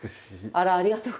あらありがとう。